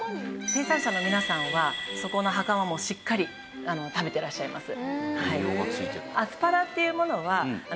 生産者の皆さんはそこのはかまもしっかり食べてらっしゃいます。